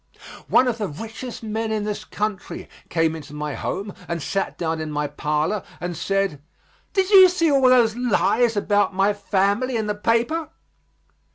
One of the richest men in this country came into my home and sat down in my parlor and said: "Did you see all those lies about my family in the paper?"